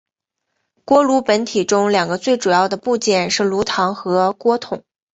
锅炉本体中两个最主要的部件是炉膛和锅筒。